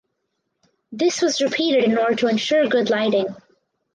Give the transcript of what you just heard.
This was repeated in order to ensure good lighting.